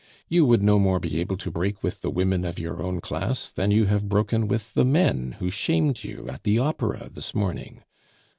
You would no more be able to break with the women of your own class than you have broken with the men who shamed you at the opera this morning.